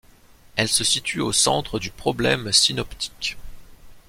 Elle se situe au centre du problème synoptique.